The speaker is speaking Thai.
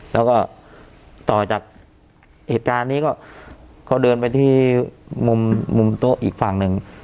แล้วก็ต่อจากเหตุการณ์นี้ก็เขาเดินไปที่มุมโต๊ะอีกฝั่งหนึ่ง